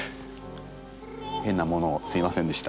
変なものをすいませんでした。